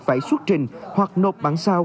phải xuất trình hoặc nộp bảng sao